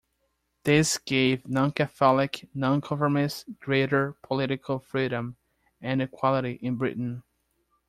This gave non-Catholic non-conformists greater political freedom and equality in Britain.